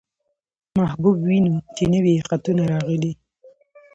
محبوب وينو، چې نوي يې خطونه راغلي.